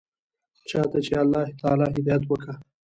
چا ته چې الله تعالى هدايت وکا.